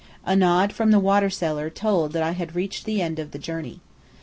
A nod from the water seller told that I had reached the end of the journey.